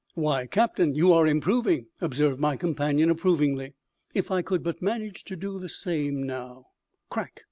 "Why, captain, you are improving," observed my companion approvingly. "If I could but manage to do the same, now " Crack!